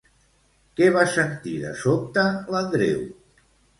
Què va sentir de sobte l'Andreu?